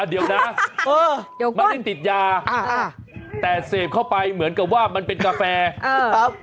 เดี๋ยวนะไม่ได้ติดยาอ่าแต่เสพเข้าไปเหมือนกับว่ามันเป็นกาแฟครับ